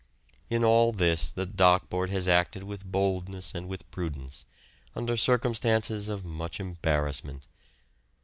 In all this the Dock Board has acted with boldness and with prudence, under circumstances of much embarassment.